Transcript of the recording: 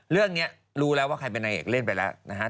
เรื่องนี้รู้แล้วว่าใครเป็นนางเอกเล่นไปแล้วนะฮะ